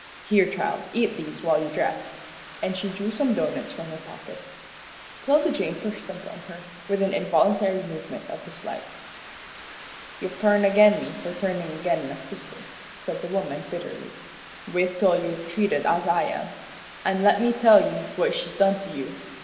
Here, child, eat these while you dress," and she drew some doughnuts from her pocket. 'Tilda Jane pushed them from her, with an involuntary movement of dislike. "You've turned agin me for turnin' agin my sister," said the woman, bitterly. "Wait till you're treated as I am. An' let me tell you what she's done to you.